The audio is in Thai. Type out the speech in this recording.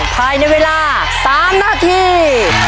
ภายในเวลา๓นาที